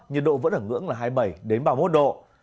nhiệt độ vẫn ở ngưỡng là hai mươi bảy đến ba mươi một độ